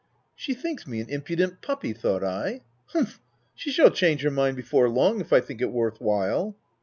" She thinks me an impudent puppy," thought I. " Humph !— she shall change her mind before long, if I think it worth while."